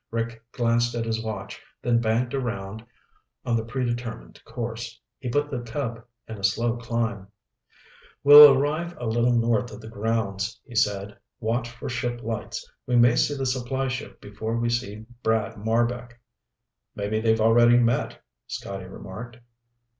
Rick glanced at his watch, then banked around on the predetermined course. He put the Cub in a slow climb. "We'll arrive a little north of the grounds," he said. "Watch for ship lights. We may see the supply ship before we see Brad Marbek." "Maybe they've already met," Scotty remarked.